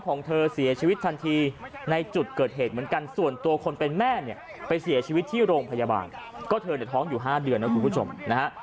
ก็เธอเดี๋ยวท้องอยู่ห้าเดือนนะครับคุณผู้ชมนะฮะ